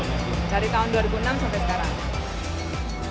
dari tahun dua ribu enam sampai sekarang